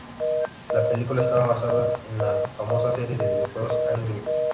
La película está basada en la famosa serie de videojuegos Angry Birds.